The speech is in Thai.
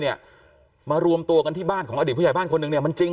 เนี่ยมารวมตัวกันที่บ้านของอดีตผู้ใหญ่บ้านคนหนึ่งเนี่ยมันจริง